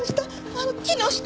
あの木の下。